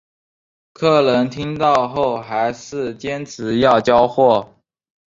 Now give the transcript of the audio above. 客人听到后还是坚持要交货